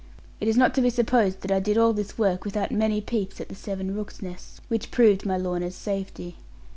It is not to be supposed that I did all this work, without many peeps at the seven rooks' nests, which proved my Lorna's safety.